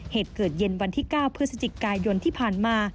เหตุเกิดเย็นวันที่๙พฤศจิกายนที่ผ่านมา